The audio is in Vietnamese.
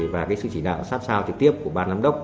và cái sự chỉ đạo sát sao trực tiếp của ban lãm đốc